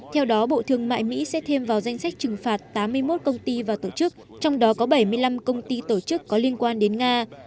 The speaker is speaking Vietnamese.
theo đó bộ thương mại mỹ sẽ thêm vào danh sách trừng phạt tám mươi một công ty và tổ chức trong đó có bảy mươi năm công ty tổ chức có liên quan đến nga